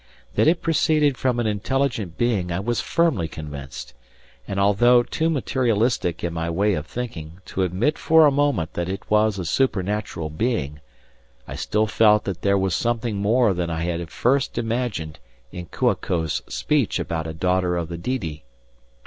That it proceeded from an intelligent being I was firmly convinced; and although too materialistic in my way of thinking to admit for a moment that it was a supernatural being, I still felt that there was something more than I had at first imagined in Kua ko's speech about a daughter of the Didi.